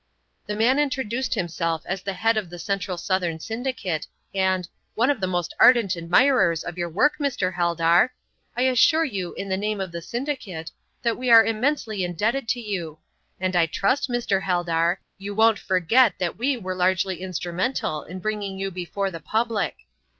The man introduced himself as the head of the Central Southern Syndicate and "one of the most ardent admirers of your work, Mr. Heldar. I assure you, in the name of the syndicate, that we are immensely indebted to you; and I trust, Mr. Heldar, you won't forget that we were largely instrumental in bringing you before the public."